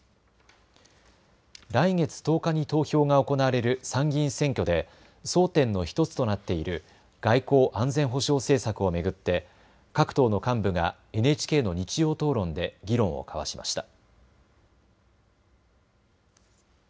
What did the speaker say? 来月１０日に投票が行われる参議院選挙で争点の１つとなっている外交・安全保障政策を巡って各党の幹部がＮＨＫの日曜討論で議論を交わしました。